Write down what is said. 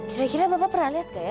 saya kira bapak pernah lihat gaya